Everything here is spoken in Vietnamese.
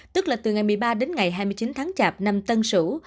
tức là từ ngày một mươi ba đến ngày hai mươi chín tháng chạp năm tân sửu